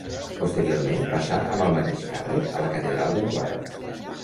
Posteriorment passà, amb el mateix càrrec, a la catedral de Novara.